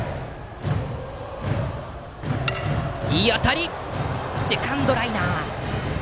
いい当たりだがセカンドライナー。